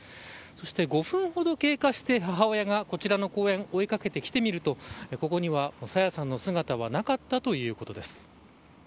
そして５分ほど経過して母親がこちらの公園追いかけてきてみると、ここには朝芽さんの姿はなかったということです。